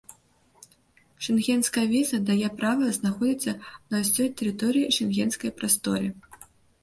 Шэнгенская віза дае права знаходзіцца на ўсёй тэрыторыі шэнгенскай прасторы.